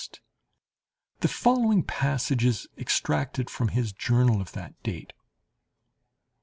The following passage is extracted from his journal of that date.